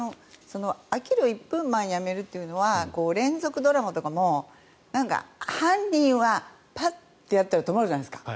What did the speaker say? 飽きる１分前にやめるというのは連続ドラマとかも犯人はパッってやったら止まるじゃないですか。